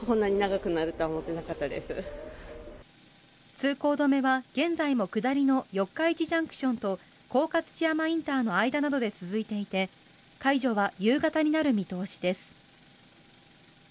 通行止めは現在も下りの四日市ＪＣＴと甲賀土山ＩＣの間などで続いていて、解除は夕方になる見通しです。